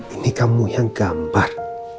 ini kamu yang gambar